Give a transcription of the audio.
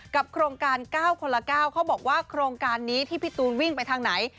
โครงการ๙คนละ๙เขาบอกว่าโครงการนี้ที่พี่ตูนวิ่งไปทางไหน